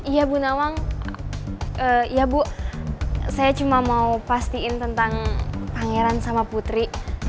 iya bu nawang ya bu saya cuma mau pastiin tentang pangeran sama putri